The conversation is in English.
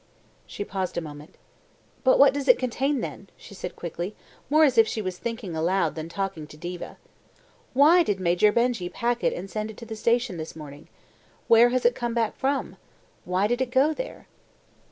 She paused a moment. "But what does it contain, then?" she said quickly, more as if she was thinking aloud than talking to Diva. "Why did Major Benjy pack it and send it to the station this morning? Where has it come back from? Why did it go there?"